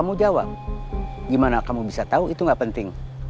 masa dulu tapi